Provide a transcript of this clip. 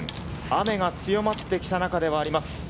雨が強まってきた中ではあります。